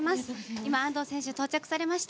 今、安藤選手、到着されました。